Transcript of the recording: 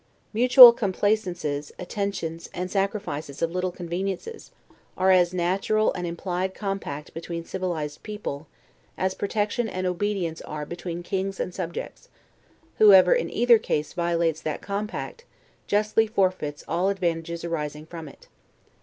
Mutual complaisances, attentions, and sacrifices of little conveniences, are as natural an implied compact between civilized people, as protection and obedience are between kings and subjects; whoever, in either case, violates that compact, justly forfeits all advantages arising from it.